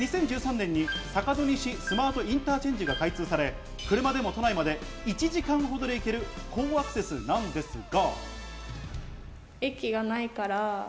そして２０１３年に坂戸西スマートインターチェンジが開通され、車でも都内に１時間ほどで行ける好アクセスなのですが。